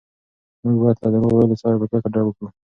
موږ باید له درواغ ویلو څخه په کلکه ډډه وکړو.